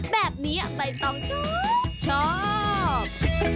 แบบนี้ไปต้องชอบชอบ